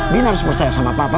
bin harus percaya sama papa